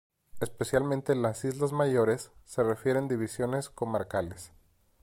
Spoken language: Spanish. Especialmente en las islas mayores, se refieren divisiones comarcales.